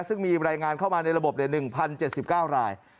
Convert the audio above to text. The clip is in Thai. ซึ่งมีรายงานเข้ามาในระบบ๑๐๗๙ราย